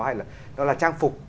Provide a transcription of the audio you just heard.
hay là nó là trang phục